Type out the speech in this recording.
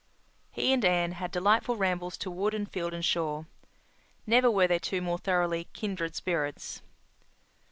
He and Anne had delightful rambles to wood and field and shore. Never were there two more thoroughly "kindred spirits."